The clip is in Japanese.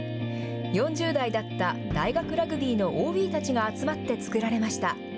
４０代だった大学ラグビーのＯＢたちが集まって作られました。